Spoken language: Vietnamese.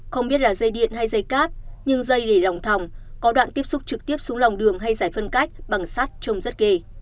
không biết là dây điện hay dây cáp nhưng dây để lòng thòng có đoạn tiếp xúc trực tiếp xuống lòng đường hay giải phân cách bằng sắt trông rất kề